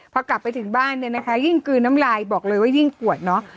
พอกลับไปถึงบ้านเนี่ยนะคะยิ่งกลืนน้ำลายบอกเลยว่ายิ่งปวดเนอะ